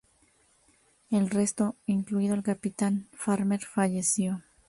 El resto, incluido el capitán Farmer, falleció.